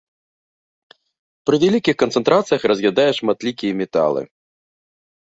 Пры вялікіх канцэнтрацыях раз'ядае шматлікія металы.